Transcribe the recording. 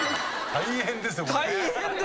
大変ですよこれ。